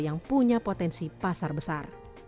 yang punya potensi pasar besar